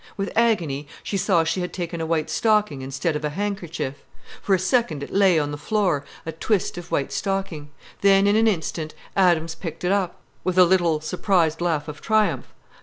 With agony, she saw she had taken a white stocking instead of a handkerchief. For a second it lay on the floor, a twist of white stocking. Then, in an instant, Adams picked it up, with a little, surprised laugh of triumph.